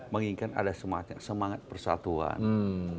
menginginkan ada semangat persatuan